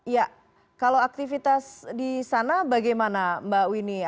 ya kalau aktivitas di sana bagaimana mbak winnie